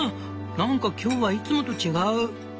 何か今日はいつもと違う」。